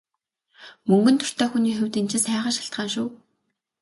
Мөнгөнд дуртай хүний хувьд энэ чинь сайхан шалтгаан шүү.